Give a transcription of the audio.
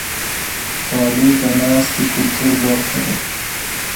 غالۍ د ناستې کلتور برخه ده.